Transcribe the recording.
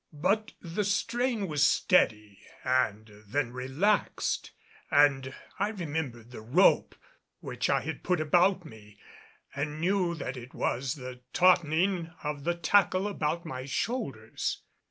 But the strain was steady and then relaxed and I remembered the rope which I had put about me and knew it was the taughtening of the tackle about my shoulders.